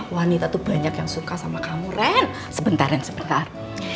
wanita tuh banyak yang suka sama kamu ren sebentar ren sebentar